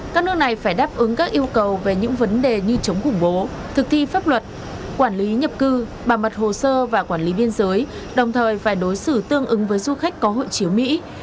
các nước này phải đáp ứng các yêu cầu về những vấn đề như chống khủng bố thực thi pháp luật quản lý nhập cư bà mật hồ sơ và quản lý biên giới đồng thời phải đối xử tương ứng với du khách có hội chiếu mỹ